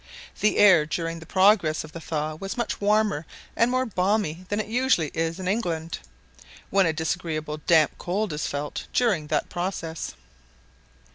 The air during the progress of the thaw was much warmer and more balmy than it usually is in England, when a disagreeable damp cold is felt during that process.